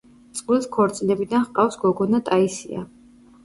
წყვილს ქორწინებიდან ჰყავს გოგონა ტაისია.